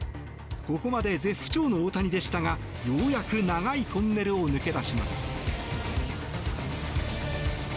ここまで絶不調の大谷でしたがようやく長いトンネルを抜け出します。